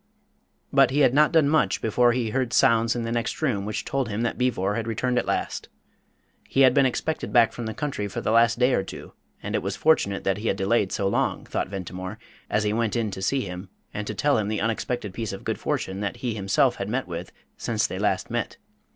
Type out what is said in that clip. But he had not done much before he heard sounds in the next room which told him that Beevor had returned at last. He had been expected back from the country for the last day or two, and it was fortunate that he had delayed so long, thought Ventimore, as he went in to see him and to tell him the unexpected piece of good fortune that he himself had met with since they last met.